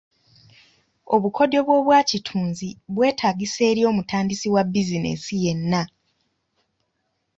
Obukodyo bw'obwakitunzi bwetaagisa eri omutandisi wa bizinensi yenna.